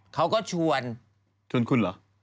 เขาก็ชวนชวนคุณเหรอ